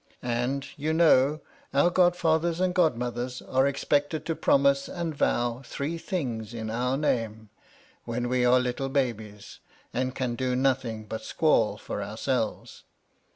*' And, you know, our godfathers and godmothers are expected to promise and vow three things in our name, when we are little babies, and can do nothing but squall for ourselves.